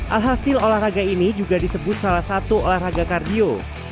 alhasil olahraga ini juga disebut salah satu olahraga kardio